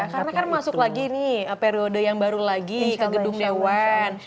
karena kan masuk lagi nih periode yang baru lagi ke gedung dewan